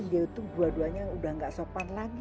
dia itu dua duanya udah gak sopan lagi